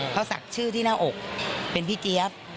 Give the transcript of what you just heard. เขาศักดิ์ชื่อที่หน้าอกเป็นพี่เจี๊ยบ